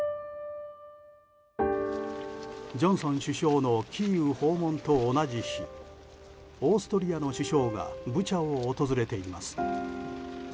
ジョンソン首相のキーウ訪問と同じ日オーストリアの首相がブチャを訪れています。